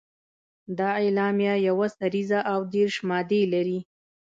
دا اعلامیه یوه سريزه او دېرش مادې لري.